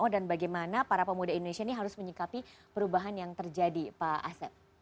dan bagaimana para pemuda indonesia ini harus menyikapi perubahan yang terjadi pak asep